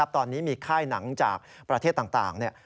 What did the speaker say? ตอนนี้มีค่ายหนังจากประเทศต่าง